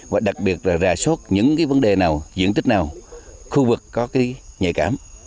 và đặc biệt là rà sốt những vấn đề nào diện tích nào khu vực có nhạy cảm